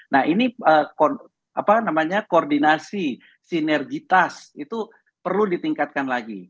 nah ini koordinasi sinergitas itu perlu ditingkatkan lagi